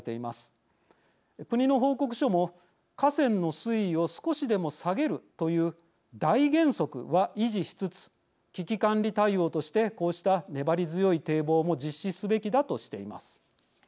国の報告書も河川の水位を少しでも下げるという大原則は維持しつつ危機管理対応としてこうした粘り強い堤防も実施すべきだとしています。